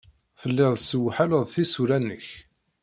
Telliḍ tessewḥaleḍ tisura-nnek.